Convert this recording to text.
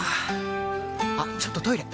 あっちょっとトイレ！